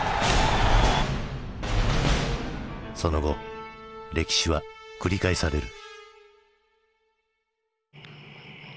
その後歴史は繰り返される。